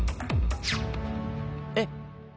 えっ。